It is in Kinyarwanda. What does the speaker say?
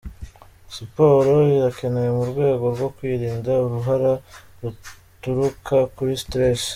Siporo irakenewe mu rwego rwo kwirinda uruhara ruturuka kuri stress.